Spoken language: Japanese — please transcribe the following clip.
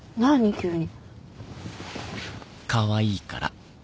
急に。